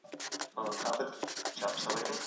سياستپوهنه د همدې همږغيو او کشمکشونو لارښوونه کوي.